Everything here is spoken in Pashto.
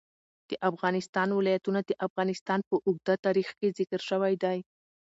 د افغانستان ولايتونه د افغانستان په اوږده تاریخ کې ذکر شوی دی.